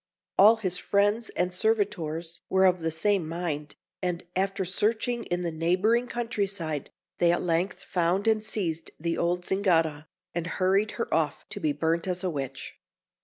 All his friends and servitors were of the same mind, and after searching in the neighbouring country side, they at length found and seized the old Zingara, and hurried her off to be burnt as a witch.